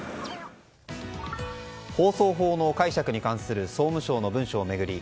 放送法の解釈に関する総務省の文書を巡り